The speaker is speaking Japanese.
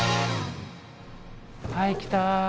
はい来た。